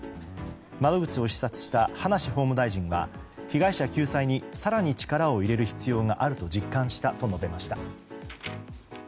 窓口を視察した葉梨法務大臣が被害者救済に更に力を入れる必要があると実感したと述べました。